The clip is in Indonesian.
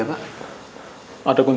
terima kasih pak